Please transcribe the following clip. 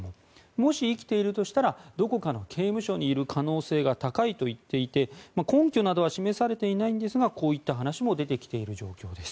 もし生きているとしたらどこかの刑務所にいる可能性が高いと言っていて根拠などは示されていないんですがこういった話も出てきている状況です。